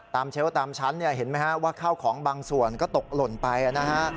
เชลล์ตามชั้นเนี่ยเห็นไหมฮะว่าข้าวของบางส่วนก็ตกหล่นไปนะฮะ